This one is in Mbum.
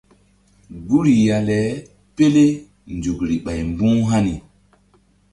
Guri ya le pele nzukri ɓay mbu̧h hani.